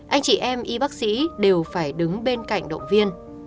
anh chị em y bác sĩ đều phải đứng bên cạnh động viên